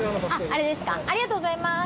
ありがとうございます。